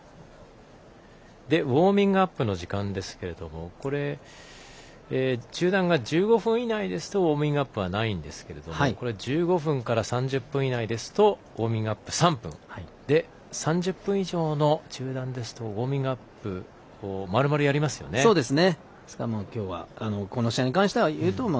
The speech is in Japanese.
ウォーミングアップの時間ですけれどもこれ、中断が１５分以内ですとウォーミングアップないんですが１５分から３０分以内ですとウォーミングアップ３分３０分以上の中断ですとウォーミングアップをまるまるやりますね。